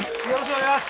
お願いします